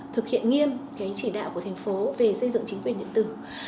thực hiện nghiêm cái chỉ đạo của thành phố về xây dựng chính quyền điện tử